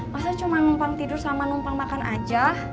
masa cuma numpang tidur sama numpang makan aja